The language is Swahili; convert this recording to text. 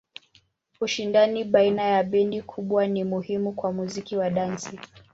Ushindani baina ya bendi kubwa ni muhimu kwa muziki wa dansi.